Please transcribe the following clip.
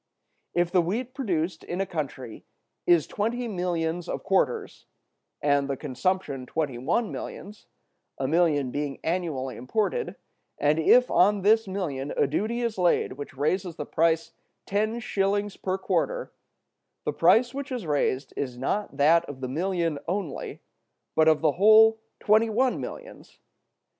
If the wheat produced in a country is twenty millions of quarters, and the consumption twenty one millions, a million being annually imported, and if on this million a duty is laid which raises the price ten shillings per quarter, the price which is raised is not that of the million only, but of the whole twenty one millions.